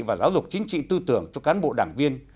và giáo dục chính trị tư tưởng cho cán bộ đảng viên